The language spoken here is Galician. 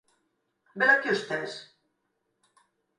Velaquí os tes.